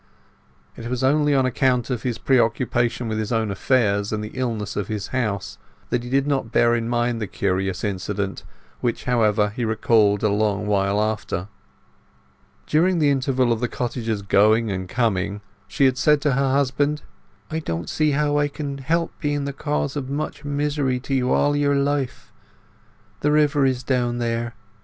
It was only on account of his preoccupation with his own affairs, and the illness in his house, that he did not bear in mind the curious incident, which, however, he recalled a long while after. During the interval of the cottager's going and coming, she had said to her husband— "I don't see how I can help being the cause of much misery to you all your life. The river is down there.